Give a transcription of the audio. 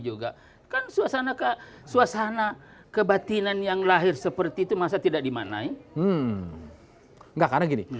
juga kan suasana ke suasana kebatinan yang lahir seperti itu masa tidak dimanai enggak karena gini